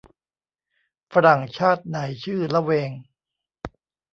ฝรั่งชาติไหนชื่อละเวง